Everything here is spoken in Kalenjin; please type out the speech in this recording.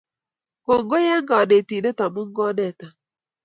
Kongoi eng konetindet amu keneta